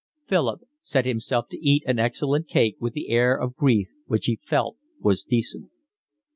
Philip set himself to eat an excellent cake with the air of grief which he felt was decent.